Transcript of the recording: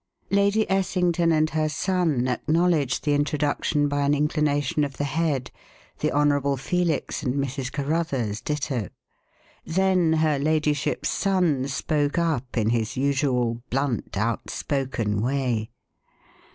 Lady Essington and her son acknowledged the introduction by an inclination of the head, the Honourable Felix and Mrs. Carruthers, ditto; then her ladyship's son spoke up in his usual blunt, outspoken way.